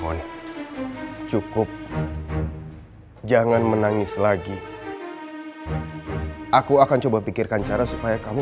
aku gak akan menceraikan kamu